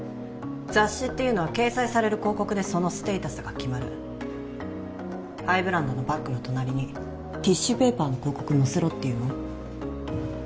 雑誌っていうのは掲載される広告でそのステータスが決まるハイブランドのバッグの隣にティッシュペーパーの広告載せろっていうの？